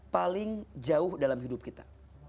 paling jauh dalam hidup kita